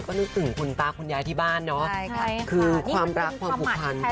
ก็นึกถึงคุณตาคุณยายที่บ้านเนาะคือความรักความผูกพัน